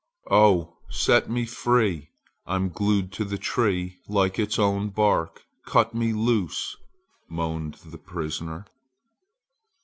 "Oh, set me free! I am glued to the tree like its own bark! Cut me loose!" moaned the prisoner.